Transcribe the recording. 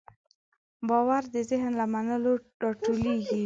باور د ذهن له منلو راټوکېږي.